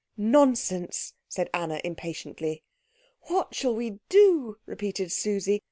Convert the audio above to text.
"Nonsense," said Anna impatiently. "What shall we do?" repeated Susie.